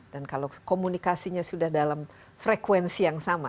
dan kalau komunikasinya sudah dalam frekuensi yang sama